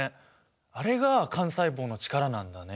あれが幹細胞の力なんだね。